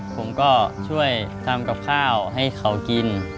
ผมก็ช่วยทำกับข้าวให้เขากิน